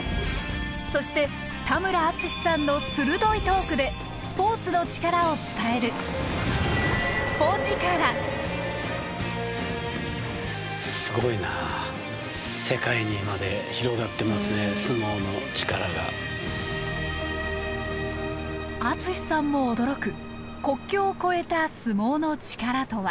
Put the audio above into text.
そして田村淳さんの鋭いトークでスポーツの力を伝える淳さんも驚く国境を越えた相撲のチカラとは？